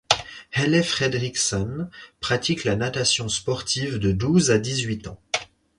Helle Frederiksen pratique la natation sportive de douze à dix-huit ans.